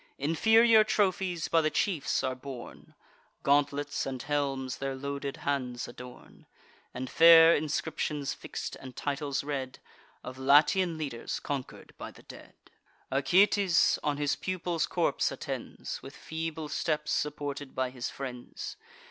Inferior trophies by the chiefs are borne; Gauntlets and helms their loaded hands adorn; And fair inscriptions fix'd, and titles read Of Latian leaders conquer'd by the dead. Acoetes on his pupil's corpse attends, With feeble steps, supported by his friends.